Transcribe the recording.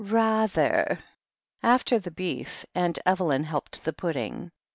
"Ra //ierr After the beef Aunt Evelyn helped the pudding.